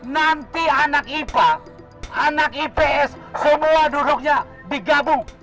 nanti anak ifa anak ips semua duduknya digabung